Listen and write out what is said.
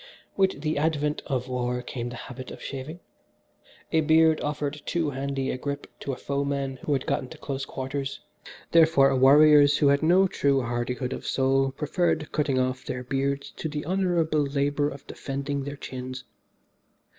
"With the advent of war came the habit of shaving. A beard offered too handy a grip to a foeman who had gotten to close quarters, therefore, warriors who had no true hardihood of soul preferred cutting off their beards to the honourable labour of defending their chins.